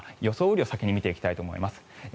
雨量を先に見ていきたいと思います。